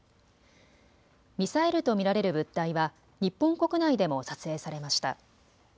ミサイルと見られる物体は日本国内でも撮影されました。